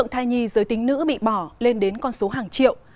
thai nhi giới tính nữ bị bỏ lên đến con số hàng triệu